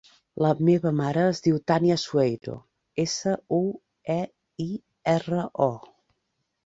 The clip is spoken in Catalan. La meva mare es diu Tània Sueiro: essa, u, e, i, erra, o.